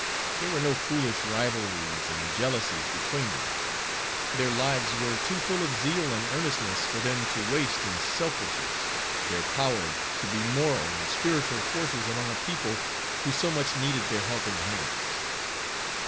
There were no foolish rivalries and jealousies between them. Their lives were too full of zeal and earnestness for them to waste in selfishness their power to be moral and spiritual forces among a people who so much needed their helping hands.